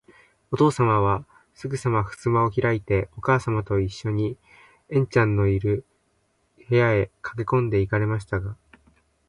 おとうさまは、すぐさまふすまをひらいて、おかあさまといっしょに、緑ちゃんのいる、部屋へかけこんで行かれましたが、